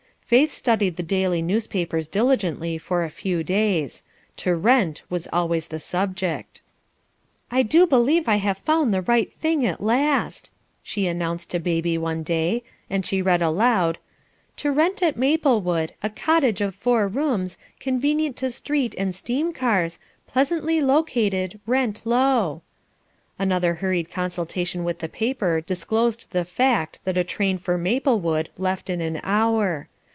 Faith studied the daily newspapers diligently for a few days. "To Rent" was always the subject. "I do believe I have found the right thing at last," she announced to baby one day, and she read aloud: "To rent at Maplewood, a cottage of four rooms, convenient to street and steam cars, pleasantly located, rent low." Another hurried consultation with the paper disclosed the fact that a train for Maplewood left in an hour.